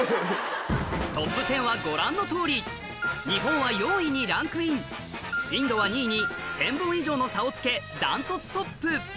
トップ１０はご覧のとおり日本は４位にランクインインドは２位に１０００本以上の差をつけ断トツトップ